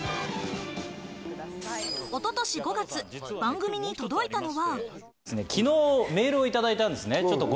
一昨年５月、番組に届いたのは。